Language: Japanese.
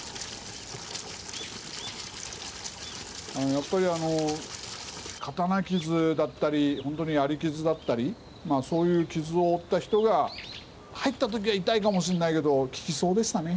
やっぱり刀傷だったりほんとに槍傷だったりまあそういう傷を負った人が入った時は痛いかもしんないけど効きそうでしたね。